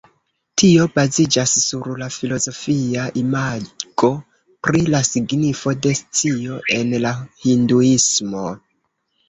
Tio baziĝas sur la filozofia imago pri la signifo de scio en la Hinduismo.